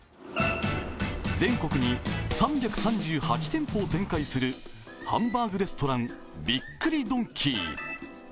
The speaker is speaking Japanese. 全国に３３８店舗を展開するハンバーグレストラン、びっくりドンキー。